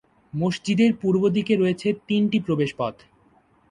মসজিদের পূর্বদিকে রয়েছে তিনটি প্রবেশপথ।